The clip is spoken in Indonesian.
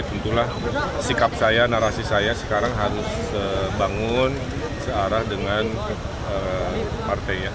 tentulah sikap saya narasi saya sekarang harus bangun searah dengan partainya